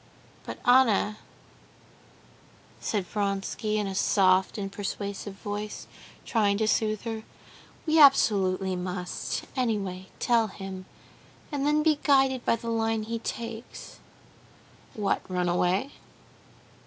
"But, Anna," said Vronsky, in a soft and persuasive voice, trying to soothe her, "we absolutely must, anyway, tell him, and then be guided by the line he takes." "What, run away?"